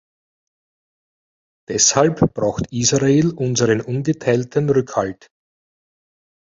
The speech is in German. Deshalb braucht Israel unseren ungeteilten Rückhalt.